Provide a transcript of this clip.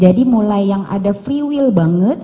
jadi mulai yang ada free will banget